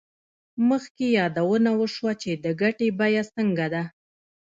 مخکې یادونه وشوه چې د ګټې بیه څنګه ده